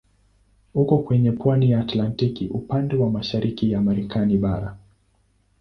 Uko kwenye pwani ya Atlantiki upande wa mashariki ya Marekani bara.